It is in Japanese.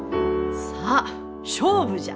さあ勝負じゃ！